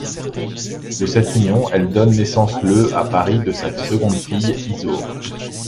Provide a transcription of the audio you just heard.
De cette union, elle donne naissance le à Paris de sa seconde fille Isaure.